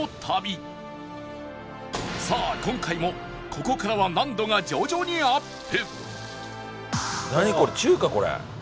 さあ今回もここからは難度が徐々にアップ！